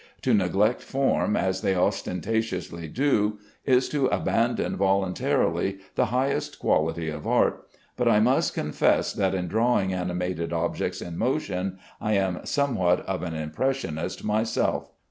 To neglect form, as they ostentatiously do, is to abandon voluntarily the highest quality of art; but I must confess that in drawing animated objects in motion, I am somewhat of an Impressionist myself.